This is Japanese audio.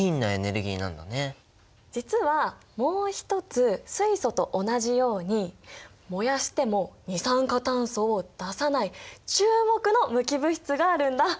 実はもう一つ水素と同じように燃やしても二酸化炭素を出さない注目の無機物質があるんだ。